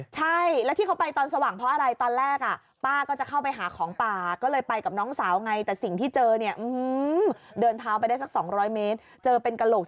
ใช่และที่เค้าไปตอนสว่างเพราะอะไรตอนแรก